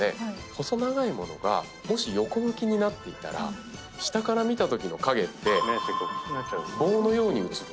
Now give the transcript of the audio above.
細長い物がもし横向きになっていたら下から見たときの影って棒のように映る。